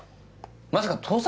まさか盗撮？